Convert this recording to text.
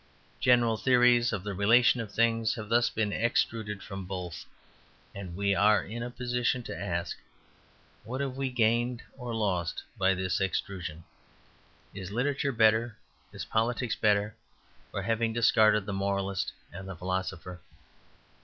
General theories of the relation of things have thus been extruded from both; and we are in a position to ask, "What have we gained or lost by this extrusion? Is literature better, is politics better, for having discarded the moralist and the philosopher?"